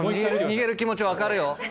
逃げる気持ち分かるよ。